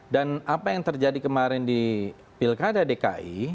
dan apa yang terjadi kemarin di pilkada dki